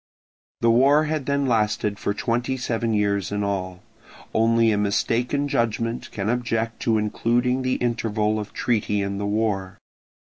The war had then lasted for twenty seven years in all. Only a mistaken judgment can object to including the interval of treaty in the war.